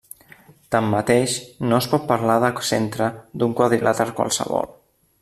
Tanmateix, no es pot parlar de centre d'un quadrilàter qualsevol.